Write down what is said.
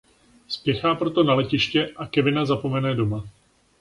Spěchá proto na letiště a Kevina zapomene doma.